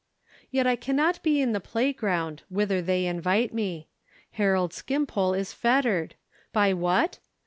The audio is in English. Yet I cannot be in the playground, whither they invite me. Harold Skimpole is fettered—by what?